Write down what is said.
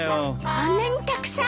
こんなにたくさん？